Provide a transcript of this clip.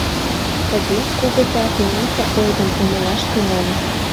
Тыге Кугыза тӱнясе ойгым умылаш тӱҥале.